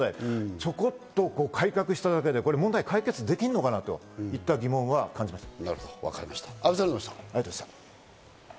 ちょこっと改革しただけで問題解決できるのかな？といった疑問を感じますね。